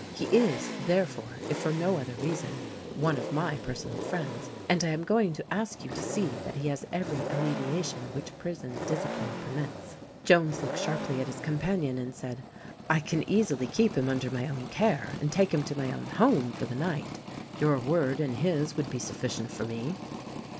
He is, therefore, if for no other reason, one of my personal friends, and I am going to ask you to see that he has every alleviation which prison discipline permits." Jones looked sharply at his companion and said, "I can easily keep him under my own care, and take him to my own home, for the night; your word and his would be suffi cient for me."